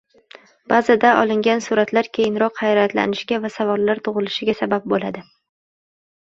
Ba’zida olingan suratlar keyinroq hayratlanishga va savollar tug‘ilishiga sabab bo‘ladi